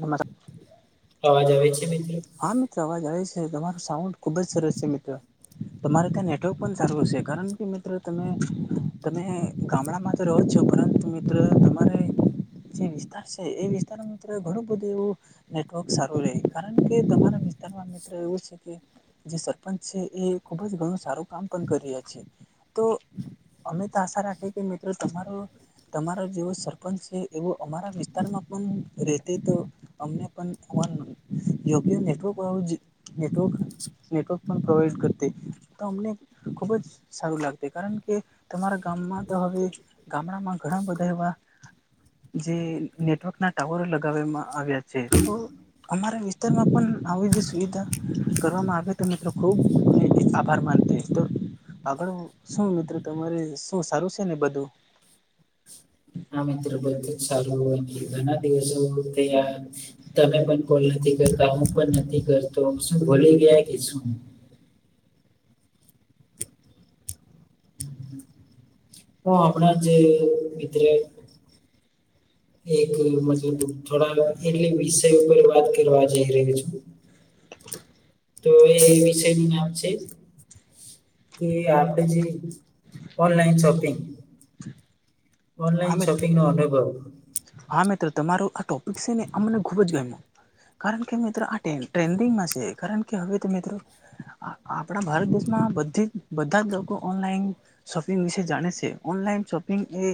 નમસ્ અવાજ આવે છે બેન હા મિત્રો અવાજ આવે છે તમારું સાઉન્ડ ખૂબ જ સરસ છે મિત્રો તમારે ત્યાં નેટવર્ક પણ સારું હશે કારણ કે મિત્રો તમે તમે ગામડામાં રહો છો પરંતુ મિત્રો તમારે જે વિસ્તાર છે એ વિસ્તાર મિત્ર ઘણું બધું એવું નેટવર્ક સારું રહે કારણ કે તમારા વિસ્તારમાં મિત્ર એવું છે કે જે સરપંચ છે એ ખુબ જ ઘણું સારું કામ પણ કરી રહ્યા છે. તો અમે તો આશા રાખીએ કે મિત્રો તમારો. તમારો જેવો સરપંચ છે એવો અમારા વિસ્તારમાં પણ રતે તો અમને પણ યો નેટવકવ [unintelligible] નેટવર્ક પણ પ્રોવાઈડ કરતી તો અમને ખૂબ જ સારું લાગત કારણ કે તમારા ગામમાં તો હવે ગામડામાં ઘણા બધા એવા જે નેટવર્ક ના ટાવરો લગાવવામાં આવ્યા છે તો. અમારા વિસ્તારમાં પણ આવી જે સુવિધા કરવામાં આવે તો મિત્રો ખુબ. આભાર માનતી તો આગળ શું મિત્રો તમારે શું સારું છે ને બધું. હા મિત્ર બધું જ ચારું ઘણા દિવસો [unintelligible] તમે પણ કોલ નથી કરતા હું પણ નથી કરતો શું ભૂલી ગયા કે શું. હ આપણા જે ભિતરે [inaudible] એક મતલબ થોડા એલી વિષય ઉપર વાત કરવા જઈ રહ્યો છું. તો એ વિષય નું નામ છે. કે આપડે જે ઓનલાઈન શોપિંગ. હા ઓનલાઈન મિત્ર શોપિંગ નો અનુભવ. હા મિત્રો તમારો આ ટોપિક છે ને આ મને ખુબ જ ગમ્યો. કારણ કે મિત્રો આ ટ્રેન્ડિંગમાં છે કારણ કે હવે તો મિત્રો. આપણા ભારત દેશમાં બધી બધા જ લોકો ઓનલાઈન. શપિંગ વિશે જાે છે અનલાઈન શપિંગ એ.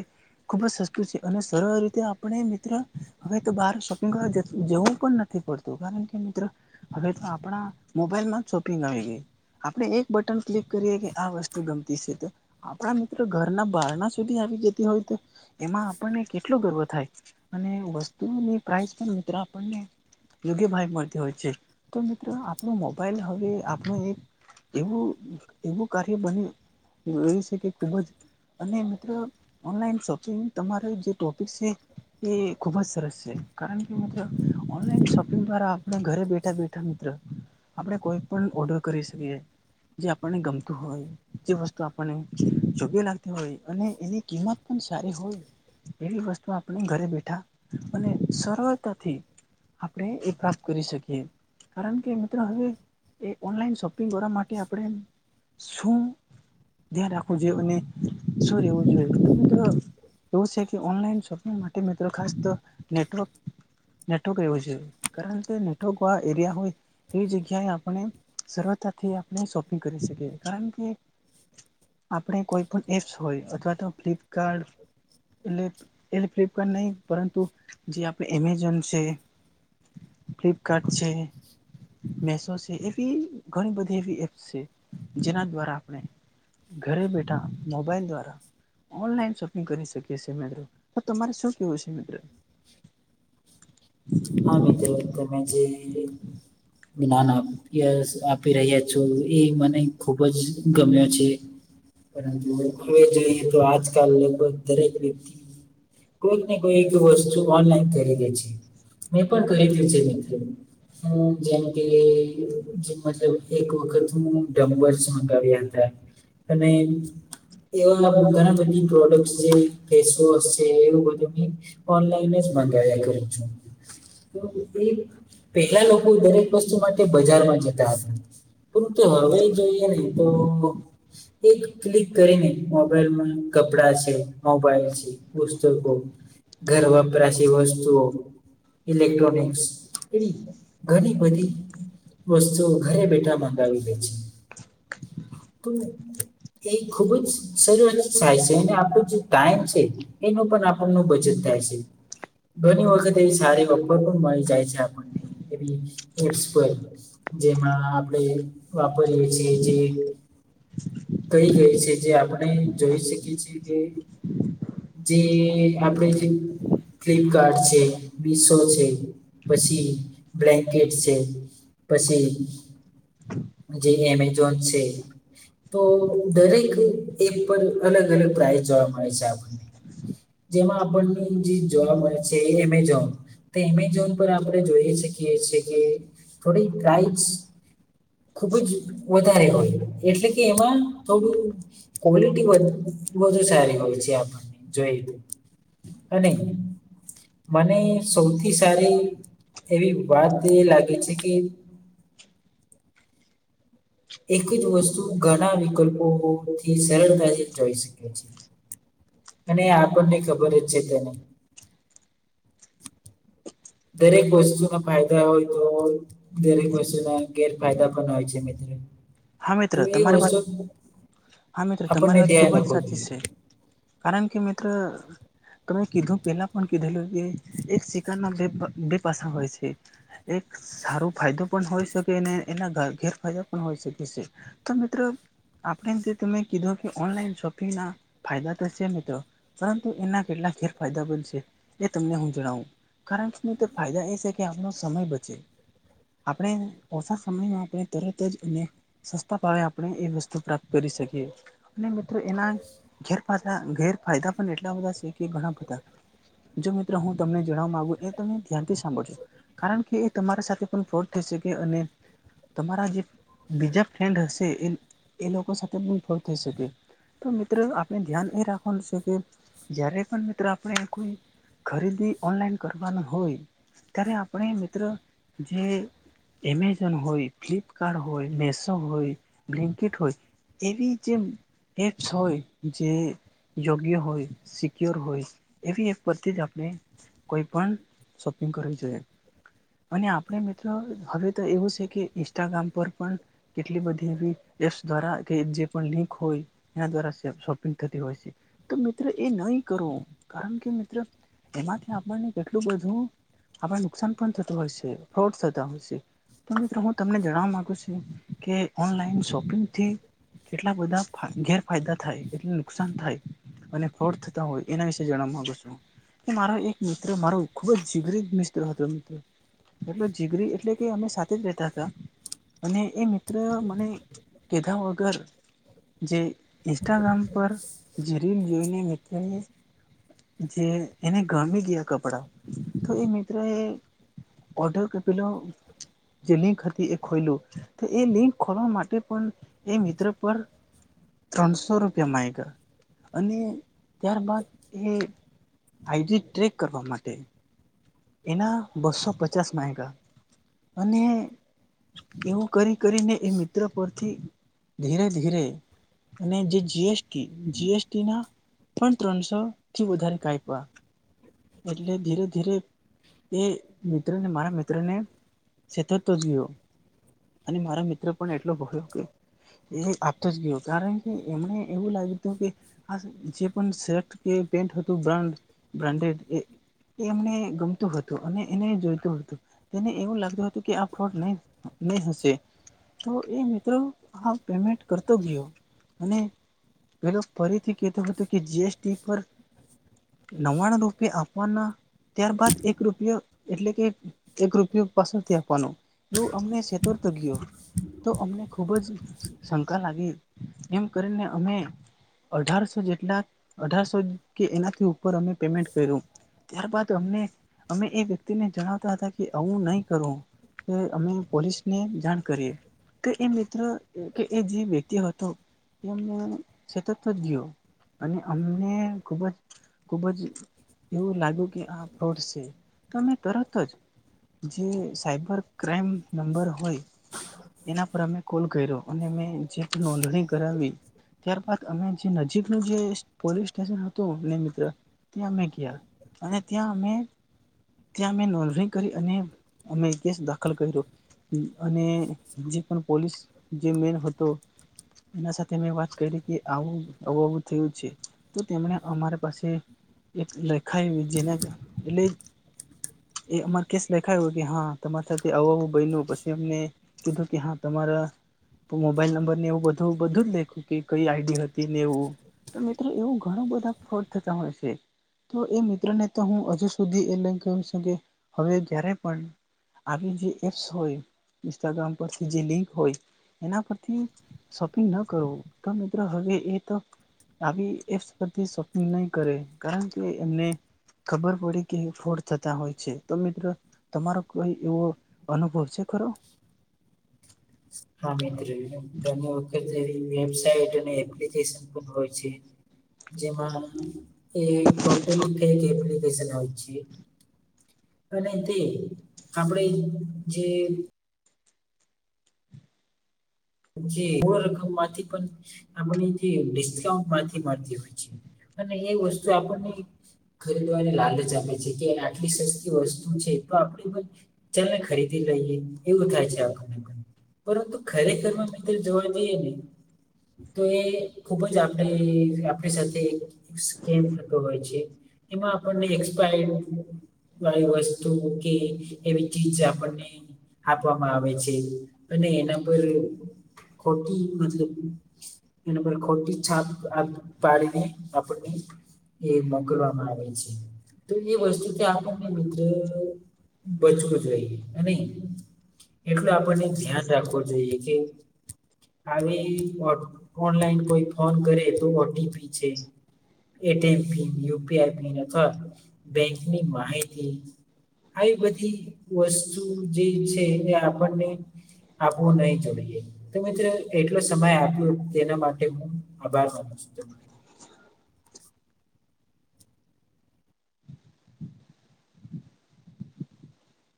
ખુબ જ સસ્તું છે અને સરળ રીતે આપણે મિત્ર હવે તો બહાર સ્ંગ જવું પણ નથી પડતું. કારણ કે મિત્રો હવે તો આપણા મોબાઈલમાં જ શોપિંગ આવી ગઈ. આપણે એક બટન ક્લિક કરીએ કે આ વસ્તુ ગમતી છે તો. આપણા મિત્રો ઘરના બહારના સુધી આવી જતી હોય તો. એમાં આપણને કેટલો ગર્વ થાય અને વસ્તુની પ્રઇસ પણ મિત્રો આપણને. યોગ્ય ભાગ મળતી હોય છે તો મિત્રો આપણો મોબાઈલ હવે આપણું એક એવું એવું કાર્ય બને. એવી શકે ખુબ જ અને મિત્રો ઓનલાઈન શોપ. તમારે જે ટોપિક છે. એ ખુબ જ સરસ છે કારણ કે મ ઓનલાઈન શોપિંગ દ્વારા આપણે ઘરે બેઠા બેઠા. મિત્ર આપણે કોઈ પણ ઓર્ડર કરી શકીએ જે આપણને ગમતું હોય. જે વસ્તુ આપણને જોગી લાગતી હોય અને એની કિંમત પણ. સારી હોય એવી વસ્તુ આપણે ઘરે બેઠા અને સરળતાથી. આપણે એ પ્રાપ્ત કરી શકીએ. કારણ કે મિત્રો હવે એ ઓનલાઈન શોપિંગ કરવા માટે આપણે. શું ધ્યાન રાખવું જોઈએ અને શું રહેવું જોઈએ્ર. એવું છે કે ઓનલાઈન શોપિંગ માટે મિત્રો ખાસ તો નેટવર્ક. નેટવર્ક એવો છે કારણ કે નેટવર્ક આ એરિયા હોય. તેવી જગ્યાએ આપણે સરળતાથી આપણે શોપિંગ કરી શકીએ કારણ કે. આપણે કોઈ પણ એપ્સ હોય અથવા તો ફ્લિપકાર્ટ. એટલે એલે ફ્લિપકાર્ટ નહ પરંતુ જે આપડ એમેઝોન છે. ફ્લિપકાર્ટ છે. મેસો છે એવી ઘણી બધી એવી એપ્સ છે જેના દ્વારા આપણે. ઘરે બેઠા મોબાઈલ દ્વારા ઓનલાઈન સ. કરી શકીી મિત્રો તો તમારે શું કેવું છે મિત્રો. હા મિત્રો તમે જે જ્ાન આપ. આપી રહ્યા છો એ મને ખુબ જ ગમ્યો છે. પરંતુ હવે જોઈએ તો આજકાલ લગભગ દરેક વ્યક્તિ. કોઈક ને કોઈક વસ્તુ ઓનલાઈન કરી દે છે. મેં પણ કરી [inaudible] હું જેમ કે જે મતલબ એક વખત હું ડમ્બર્સ મંગાવ્યા હતા. અને એવા ઘણા બધી પ્રોડક્ટ જે ફેસવો છે એ બ. ઓનલાઈન જ મંગાવ્યા કરું છું. તો એ પેલા લોકો દરેક વસ્તુ માટે બજારમાં જતા હતા. પણ તે હવે જોઈએ નહી તો. એક ક્લિક કરીને મોબાઈલમાં કપડા છે મોબાઈલ છે. પુસ્તકો, ઘર વપરાશી વસ્તુઓ ઇલેક્ટ્રોનિક્સ એવી ઘની બધી વસ્તુઓ ઘરે બેઠા મંગાવી દે છે. તું એ ખુબ જ શરૂઆત થાય છે અને આપણો જે ટાઈમ છે. એનો પન આપણનો બચત થાય છે. ઘણી વખત એ સારી વપર પણ મળી જાય છે આપણને એવી એપ્સ પર. જેમાં આપણે વાપરીએ છીએ જે કઈ કઈ છે જે આપણે જોઈ શકીએ છીએ કે જે આપડે જે ફ્લિપકાર્ટ છે વિસો છે પછી બ્લેન્કેટ છે, પછી જે એમેજોન છે. તો દરેક એપ પર અલગ અલગ પ્રાઈ જોવા મળે છે આપણને. જેમાં આપણને જે જોવા મળે છે એ એમેઝોન. તે એમેઝોન પર આપણે જોઈએ શકીએ છીએ કે થોડી પ્રાઈઝ ખુબ જ વધારે હોય એટલે કે એમાં થોડું કોલિટી વધ વધુ સારી હોય છે આપણને જોઈએ તે અને મને સૌથી સારી એવી વાત એ લાગે છે કે એક જ વસ્તુ ઘણા વિકલ્પોથી સરળતાથી જોઈ શકે છે. અને આપણને ખબર જ છે તેને દરેક વસ્તુના ફાયદા હોય તો દરેક વસ્તુના ગેરફાયદા પણ હોય છે મિત્રો હા મિત્ર તમારી વાત હા મિત્ર તમારી આપણને વાત ધ્યાન ખુબ જ રાખવું સાચી જોઈએ છે. કારણ કે મિત્રો તમે કીધું પેલા પણ કીધેલું કે એક ચિકન ના બે બે પાસા હોય છે. એક સારો ફાયદો પણ હોય, શકે અનેને એના ગેરફાયદા પણ હોય શકે તો મિત્રો આપણે જે તમે કીધું કે ઓનલાઈન શોપિંગ ના ફાયદા તો છે, મિત્રો પરંતુ એના કેટલા ફેરફાયદા બંધ છે એ તમને હું જણાવું કારણ કેને તો ફાયદા એ છે કે આપનો સમય બચે આપણે ઓછા સમયમાં આપણે તરત જ એને સસ્તા ભાવે આપણે એ વસ્તુ પ્રાપ્ત કરી શકીએ અને મિત્રો એના ગેરાયા ગેરફાયદા પણ એટલા બધા છે કે ઘણા બધા જો મિત્રો હું તમને જણવા મામાંગુ એ તને ધ્યાનથી સાંભળશો કારણ કે એ તમારા સાથે પણ ફોટ થઈ શકે અને તમારા જે બીજા ફન્ડ હશે એ લોકો સાથે પણ ફોર થઈ શકે તો મિત્ર આપણે ધ્યાન એ રાખવાનું છે, કે જય્યારે પણ મિત્ર આપણે કોઈ ખરીદી ઓનલાઈન કરવાના હોય, ત્યારે આપણે મિત્ર જે એમેઝોન હોય ફ્લિપકાર્ટ હોય મેસો હોય બ્લિન્કીટ હોય એવી જેમ એપ્સ હોય જે યોગ્ય હોય સિક્યોર હોય એવી એક પરથી જ આપણે કોઈ પણ શોપિંગ કરવી જોઈએ. અને આપણે મિત્રો હવે તો એવું છે, કે ઇન્સ્ટાગ્રામ પર પણ કેટલી બધી એવી એપ્સ દ્વારા કે જે પણ લિંક હોય એના દ્વારા શોપિંગ થતી હોય છે. તો મિત્ર એ નહી કરવો કારણ કે મિત્ર એમાંથી આપણને કેટલું બધું આપડ નુકસાન પણ થતું હોય છે ફ્રોટ થતા હોય છે. તો મિત્રો હું તમને જણવા મામાંગુ છું કે ઓનલાઈન શોપિંગથી. કેટલા બધા ગેરફાયદા થાય એટ નુકસાન થાય અને ફળ થતા હોય એના વિશે જાણવા માંગુ છું કે મારો એક મિત્ર મારો ખુબ જ જીગરીત મિત્ર હતો મિત્ર એટ જીગરી એટલે કે અમે સાથે જ રેતા હતા અને એ મ્ર મ મને કીધા વગર જે ઇન્સ્ટાગ્રામ પર જે રીલ જોઈને મિત્ર જે એને ગામી ગયા કપડાં તો એ મિત્ર એ ઓર્ડર કરેલો જે લિંક હતી એ ખોયલું એ લિંક ખોલવા માટે પણ એ મિત્ર પર ત્રણસો રૂપિયા માગયા અને ત્યાર બાાદ એ આઈડી ટ્રેક કરવા માટે એના બસો પચાસ માયગા અને એવું કરી કરીને એ મિત્ર પરથી ધીરે ધીરે અને જે જીએસટી જીએસટી ના પણ ત્રણસો થી વધારે કાપવા એટલે ધીરે ધીરે એ મિત્રને મારા મિત્ર ને સતતો જ ગયો અને મારા મિત્ર પણ એટલો ભો્યો કે એવ આપતો જ ગયો કારણ કે એમને એવું લાગ્યું હતું કે આ જે પણ શર્ટ કે પેન્ટ હતું બ્રાન્ડ બ્રાન્ડેડ એ એ એમને ગમતું હતું અને એને જોઈતું હતું તેને એવું લાગતું હતું કે આ ફોટ નહી નહી હશે તો એ મિત્રો આ પેમેન્ટ કરતો ગયો અને પેલો ફરીથી કેતો હતો કે જીએસટી પર નવાણું રૂપિયા આપ વાના ત્યારબાદ એક રૂપિયો એટલે કે એક રૂપિયો પાસળથી આપવાનો એવું અમને સેતરતો ગયો. તો અમને ખુબ જ શંકા લાગી એમ કરીને અમે અઢારસો જેટલા અઢારસો કે એનાથી ઉપર અમે પેમેન્ટ કર્યું. ત્યારબાદ અમને અમે એ વ્યક્તિને જણાવતા હતા કે આવું નહી કરું. કે અમે પોલીસને જાણ કરીએ. તો એ મિત્ર કે એ જે વ્યક્તિ હતો એ અમને સેતરતો ગયો. અને અમને ખુબ જ ખુબ જ એવું લાગ્યું કે આ ફ્રોડ સે. તમે તરત જ જે સાઈબર ક્રાઈમ નંબર હોય એના પર અમે કોલ કર્યો. અને મેં જે નોંધણી કરાવી ત્યારબાદ અમે જે નજીકનું જે પોલીસ સ્ટેશન હતું ને મિત્ર ત્યાં મેં ગયા અને ત્યાં અમે ત્યાં અમે નોંધણી કરી અને અમે કેસ દાખલ કર્યો. હમ અને જે પણ પોલીસ જે મેન હતો. એના સાથે મેં વાત કરી કે આવું આવું આવું થયું છે. તો તેમણે અમારા પાસે એક લખાયુ જેના કા એટલે એ અમારે કેસ લખાયો કે હા તમારી સાથે આવું આવું બયનું પસ એમને કીધું કે હા તમારા મોબાઈલ નંબરને એવું બધું બધું જ લખ્યું કે કઈ આઈડી હતી ને એવું. તો મિત્ર એવું ઘણું બધા ફ્રોડ થતા હોય સે. તો એ મિત્રને તો હું હજુ સુધી એટલે એમ કઉં સુ કે હવે જ્યારે પન આવી જે એપ્સ હોય, ઇન્સ્ટાગ્રામ પરથી જે લિંક હોય, એના પરથી શોપિંગ ન કરો તો મિત્ર હવે એત આવી એપ્સ પરથી શોપિંગ નહી કરે. કારણ કે એમને. ખબર પડે કે ફોડ થતા હોય છે. તો મિત્રો તમારો કોઈ એવો અનુભવ છે ખરો? હા મિત્ર [inaudible] તો એવી વેબસાઇટ અને એપ્લિકેશન પન હોય છે. જેમાં એ ટોટલી કંઈક એપ્લીકેશન આવી છે. અને તે આપણેે જે. જે બો રકમ માંથી પણ આપ જેિસ્કાઉન્ટ માંથી મળતી હોય છે. અને એ વસ્તુ આપણને. ખરીદવાની લાલ જ આપ છે કે આટલી સસ્તી વસ્તુ છે. એ તો આપણે પણ ચાલ ને ખરીદી લઈએ એવું થાય છે. આખ પરંતુ ખરેખર માં. જોવા જઈએ ને તો એ ખુબ જ આપણે આપણી સાથે. થતો હોય છે એમાં આપણને એકસપાય. વાળી વસ્તુ કે એવી ચીજ આપણને. આપવામાં આવે છે. અને એના પર ખોટી મતલબ એના પર ખોટી છાપ પાડીને આપણને. એ મોકલવામાં આવે છે તો એ વસ્તુ આપો ને મિત્ર. બચવું જોઈએ અને એટલ આપણને ધ્યાન રાખવું જોઈએ કે. આવી ઓનલાઈન કોઈ ફોન કરે તો ઓટીપી છે. એન યુપીઆઈન અથવા બેંકની માહિતી. આવી બધી વસ્તુ જે છે એને આપણને. આપવુ નઈ જોઈએ. તો મિત્ર એટલો સમય આપ્યો તેના માટે હું આભાર માનું છું.